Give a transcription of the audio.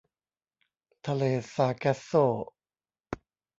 ทะเลซาร์แกสโซ